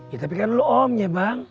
ya tapi kan lo omnya bang